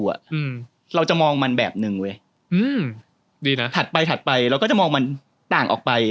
อืมเราจะมองมันแบบหนึ่งเว้ยอืมดีนะถัดไปถัดไปเราก็จะมองมันต่างออกไป